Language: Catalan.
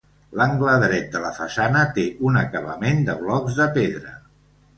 L'angle dret de la façana té un acabament de blocs de pedra.